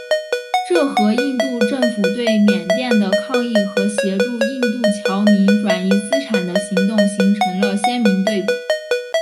这和印度政府对缅甸的抗议和协助印度侨民转移资产的行动形成了鲜明对比。